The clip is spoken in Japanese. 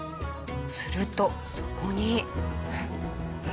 するとそこに。